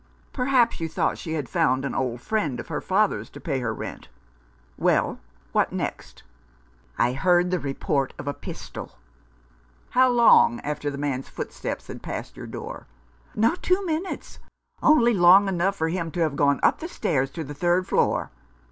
Perhaps you thought she had found an old 146 At Bow Street. friend of her father's to pay her rent. Well, what next ?"" I heard the report of a pistol." " How long after the man's footsteps had passed your door ?" "Not two minutes. Only long enough for him to have gone up the stairs to the third floor."